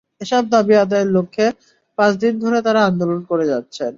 এসব দাবি আদায়ের লক্ষ্যে পাঁচ দিন ধরে তাঁরা আন্দোলন করে যাচ্ছেন।